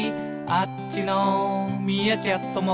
「こっちのミーアキャットも」